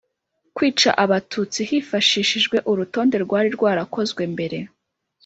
kwica Abatutsi hifashishijwe urutonde rwari rwarakozwe mbere.